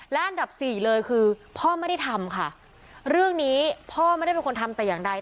และอันดับสี่เลยคือพ่อไม่ได้ทำค่ะเรื่องนี้พ่อไม่ได้เป็นคนทำแต่อย่างใด